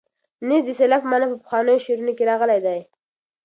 نیز د سیلاب په مانا په پخوانیو شعرونو کې راغلی دی.